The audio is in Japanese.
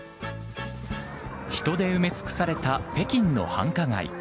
人で埋め尽くされた北京の繁華街。